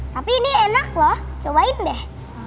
tapi ini enak loh cobain deh